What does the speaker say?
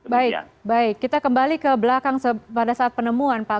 baik baik kita kembali ke belakang pada saat penemuan pak